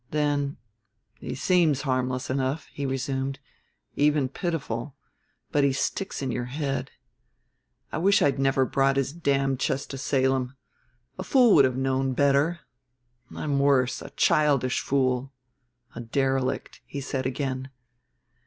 Then, "He seems harmless enough," he resumed, "even pitiful; but he sticks in your head. I wish I'd never brought his damned chest to Salem. A fool would have known better. I'm worse a childish fool. A derelict," he said again.